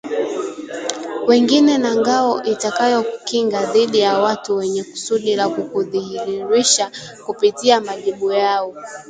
wengine na ngao itakayokukinga dhidi ya watu wenye kusudi la kukudhalilisha kupitia majibu yako